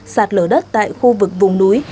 sạt lở đất tại khu vực vùng núi